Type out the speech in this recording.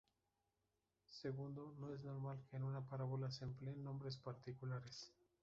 Segundo, no es normal que en una parábola se empleen nombres particulares.